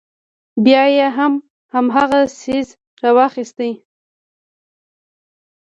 بيا يې هم هماغه څيز راواخيست.